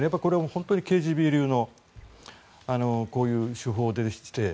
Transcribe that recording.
本当にＫＧＢ流の手法でして。